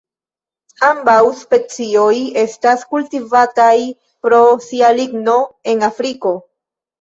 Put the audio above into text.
Ambaŭ specioj estas kultivataj pro sia ligno en Afriko.